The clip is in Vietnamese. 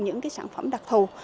những cái sản phẩm đặc thù